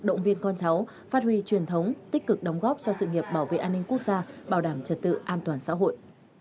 động viên con cháu phát huy truyền thống tích cực đóng góp cho sự nghiệp bảo vệ an ninh quốc gia bảo đảm trật tự an toàn xã hội